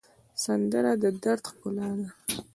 سندره د دَرد ښکلا ده